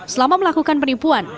selama melakukan penipuan